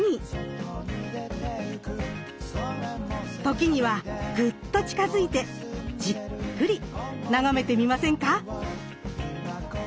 時にはグッと近づいてじっくり眺めてみませんか。